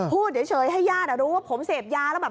พูดเดี๋ยวเฉยให้ญาติอ่ะรู้ว่าผมเสพยาบาป